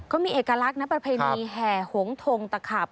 เขามีเอกลักษณ์นะประเพณีแห่หงทงตะขาบ